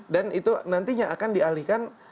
dan itu nantinya akan dialihkan